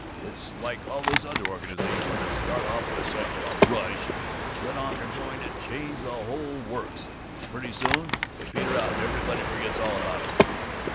It's like all these other organizations that start off with such a rush and let on they're going to change the whole works, and pretty soon they peter out and everybody forgets all about 'em!"